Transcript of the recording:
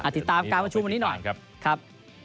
ติดตามการประชุมวันนี้หน่อยครับ